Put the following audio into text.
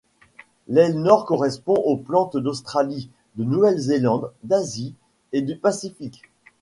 L'aile Nord correspond aux plantes d'Australie, de Nouvelle-Zélande, d'Asie et du Pacifique.